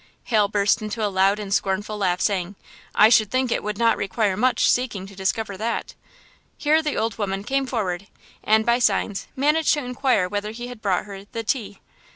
Hal burst into a loud and scornful laugh, saying: "I should think it would not require much seeking to discover that!" Here the old woman came forward, and, by signs, managed to inquire whether he had brought her "the tea."